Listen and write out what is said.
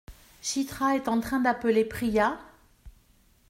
Chitra est en train d’appeler Priya ?